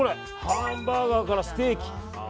ハンバーガーからステーキ。